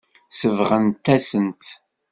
Sebɣent-asen-tt.